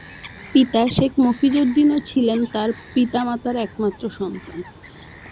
পিতা শেখ মফিজউদ্দীনও ছিলেন তাঁর পিতামাতার একমাত্র সন্তান।